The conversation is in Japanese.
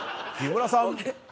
木村さん